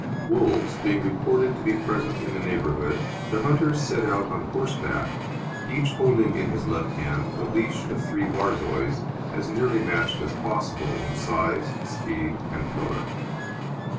Wolves being reported to be present in the neighbourhood, the hunters set out on horseback, each holding in his left hand a leash of three Borzois, as nearly matched as possible in size, speed, and colour.